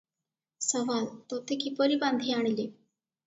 ସୱାଲ - ତୋତେ କିପରି ବାନ୍ଧି ଆଣିଲେ?